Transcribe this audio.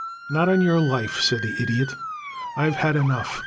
"Not on your life," said the Idiot. "I'd had enough.